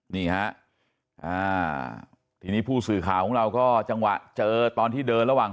นี่ฮะอ่าทีนี้ผู้สื่อข่าวของเราก็จังหวะเจอตอนที่เดินระหว่าง